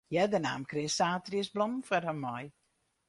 Earder naam Chris saterdeis blommen foar har mei.